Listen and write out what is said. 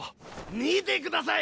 見てください